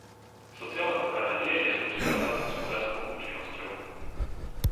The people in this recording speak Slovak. Sociálna ochrana nie je nezlučiteľná s hospodárskou účinnosťou.